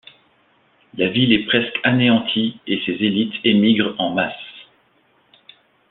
La ville est presque anéantie et ses élites émigrent en masse.